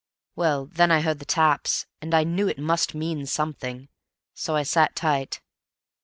Well, then I heard the taps, and I knew it must mean something, so I sat tight.